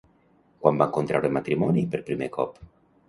Quan va contraure matrimoni per primer cop?